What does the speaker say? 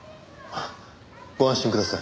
ご安心ください。